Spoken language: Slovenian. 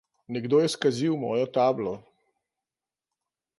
Nekdo je skazil mojo tablo.